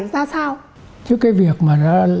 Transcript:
ra sao chứ cái việc mà